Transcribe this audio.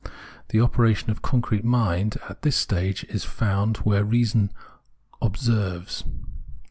The operation of concrete mind at this stage is found where reason " observes."